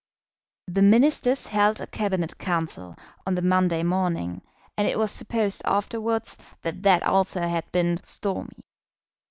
The Ministers held a Cabinet Council on the Monday morning, and it was supposed afterwards that that also had been stormy.